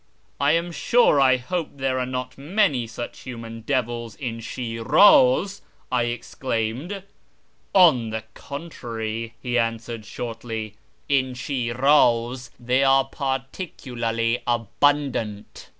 "" I am sure I hope there are not many such human devils iin Shirilz," I exclaimed. " On the contrary," he answered shortly, " in Shi'rilz they are particularly abundant."